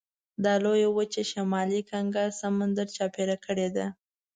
دا لویه وچه شمالي کنګل سمندر چاپېره کړې ده.